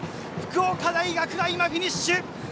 福岡大学が今フィニッシュ。